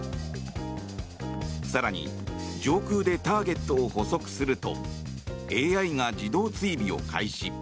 更に、上空でターゲットを捕捉するとＡＩが自動追尾を開始。